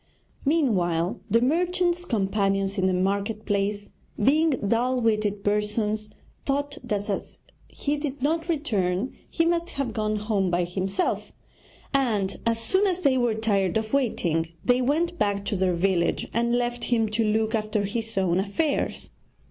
Meanwhile the merchant's companions in the market place, being dull witted persons, thought that as he did not return he must have gone home by himself; and as soon as they were tired of waiting they went back to their village and left him to look after his own affairs.